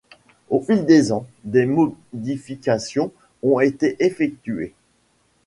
Au fil des ans, des modifications ont été effectuées.